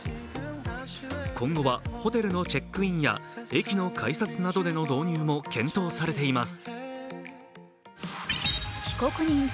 今後はホテルのチェックインや駅の改札などでの導入も検討されています。